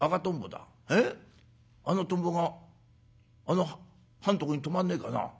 あのトンボがあの刃んとこに止まんねえかな。